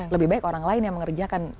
lebih baik orang lain yang mengerjakan